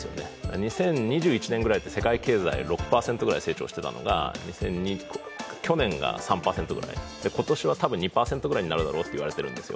２０２１年ぐらいって世界経済６％ぐらい成長していたのが、去年が３％、今年はたぶん２％くらいになるだろうと言われているんですよ。